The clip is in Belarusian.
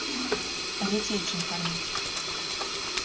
А дзяцей чым карміць?